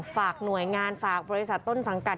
ฝากหน่วยงานฝากบริษัทต้นสังกัด